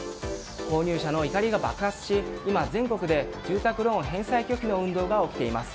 購入者の怒りが爆発し今、全国で住宅ローン返済拒否の運動が起きています。